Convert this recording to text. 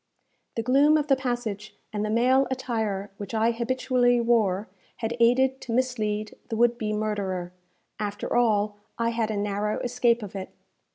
The gloom of the passage, and the male attire which I habitually wore, had aided to mislead the would be murderer. After all, I had a narrow escape of it.